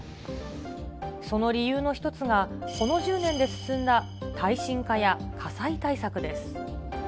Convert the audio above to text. その理由の一つが、この１０年で進んだ耐震化や火災対策です。